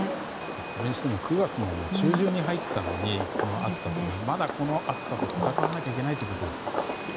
それにしても９月ももう中旬に入ったのにこの暑さと闘わなければいけないということですか。